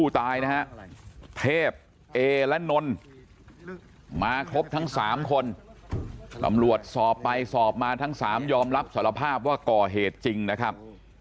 เทพเอและนนมาครบทั้ง๓คนตำรวจสอบไปสอบมาทั้ง๓ยอมรับสารภาพว่าก่อเหตุจริงนะครับ